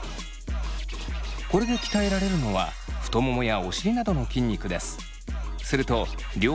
これで鍛えられるのは太ももやお尻などの筋肉です。